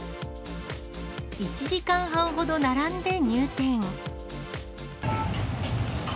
１時間半ほど並んで入店。